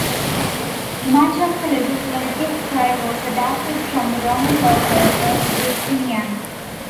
Much of the legislative style was adapted from the Roman Law Code of Justinian.